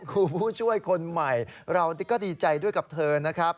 ผู้ช่วยคนใหม่เราก็ดีใจด้วยกับเธอนะครับ